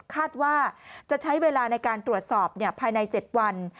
คาดว่าจะใช้เวลาในการตรวจสอบภายใน๗วัน